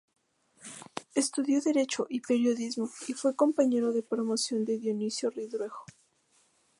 Estudió Derecho y Periodismo y fue compañero de promoción de Dionisio Ridruejo.